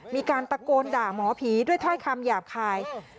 มีการตะโกนด่าหมอผีด้วยถ้อยคำหยาบคาย